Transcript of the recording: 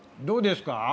どうですか？